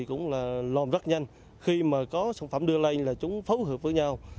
cũng là lồn rất nhanh khi mà có sản phẩm đưa lên là chúng phối hợp với nhau